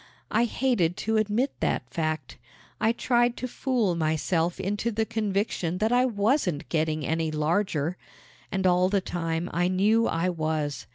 I hated to admit that fact. I tried to fool myself into the conviction that I wasn't getting any larger and all the time I knew I was.